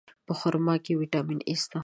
په خرما کې ویټامین A شته.